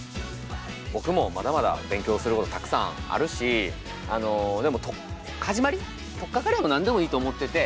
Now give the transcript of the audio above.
僕もまだまだ勉強することたくさんあるしでも始まりとっかかりは何でもいいと思ってて。